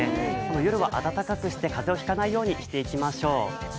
夜は暖かくして、風邪をひかないようにしていきましょう。